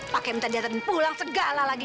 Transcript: pakai minta jatah pulang segala lagi